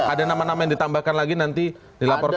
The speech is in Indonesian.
ada nama nama yang ditambahkan lagi nanti dilaporkan